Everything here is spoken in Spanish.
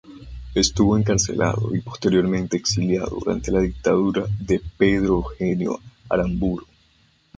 Estuvo encarcelado y posteriormente exiliado durante la dictadura de Pedro Eugenio Aramburu.